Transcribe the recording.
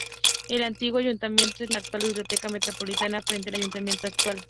El antiguo ayuntamiento es la actual Biblioteca Metropolitana, frente al ayuntamiento actual.